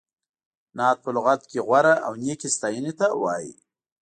نعت په لغت کې غوره او نېکې ستایینې ته وایي.